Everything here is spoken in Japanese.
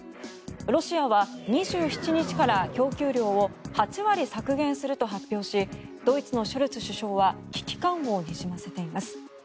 ロシアは２７日から供給量を８割削減すると発表しドイツのショルツ首相は危機感をにじませています。